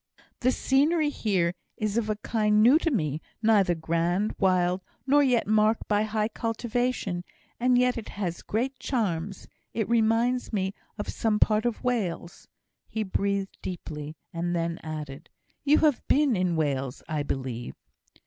"The scenery here is of a kind new to me; neither grand, wild, nor yet marked by high cultivation; and yet it has great charms. It reminds me of some parts of Wales." He breathed deeply, and then added, "You have been in Wales, I believe?"